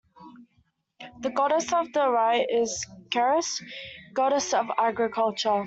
The goddess on the right is Ceres, goddess of agriculture.